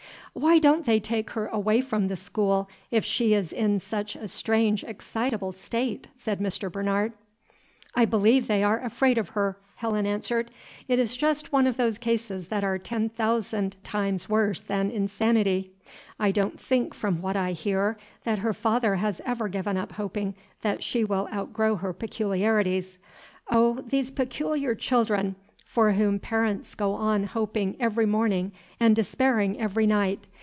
"Why don't they take her away from the school, if she is in such a strange, excitable state?" said Mr. Bernard. "I believe they are afraid of her," Helen answered. "It is just one of those cases that are ten thousand thousand times worse than insanity. I don't think from what I hear, that her father has ever given up hoping that she will outgrow her peculiarities. Oh, these peculiar children for whom parents go on hoping every morning and despairing every night!